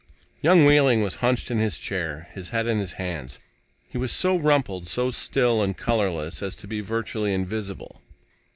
Young Wehling was hunched in his chair, his head in his hand. He was so rumpled, so still and colorless as to be virtually invisible.